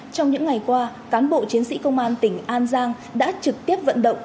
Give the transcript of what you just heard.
trong những ngày qua cán bộ chiến sĩ công an tỉnh an giang đã trực tiếp vận động